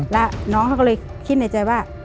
แล้วน้องเขาก็เลยคิดในใจว่า